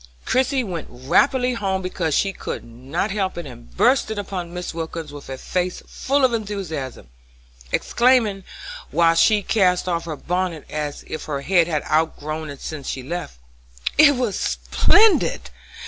Christie went rapidly home because she could not help it, and burst in upon Mrs. Wilkins with a face full of enthusiasm, exclaiming, while she cast off her bonnet as if her head had outgrown it since she left: "It was splendid!